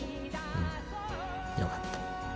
うんよかった。